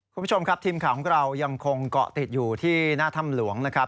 คุณผู้ชมครับทีมข่าวของเรายังคงเกาะติดอยู่ที่หน้าถ้ำหลวงนะครับ